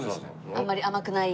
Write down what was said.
あんまり甘くない。